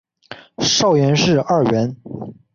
少詹事二员。